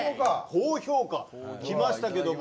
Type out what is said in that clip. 高評価きましたけども。